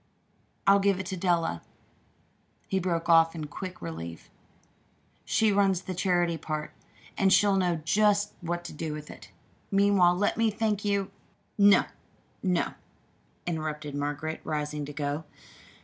"I'll give it to Della," he broke off in quick relief. "She runs the charity part, and she'll know just what to do with it. Meanwhile, let me thank you " "No, no," interrupted Margaret, rising to go.